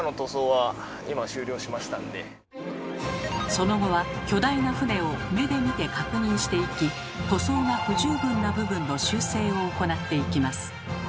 その後は巨大な船を目で見て確認していき塗装が不十分な部分の修正を行っていきます。